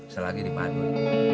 selagi di baduy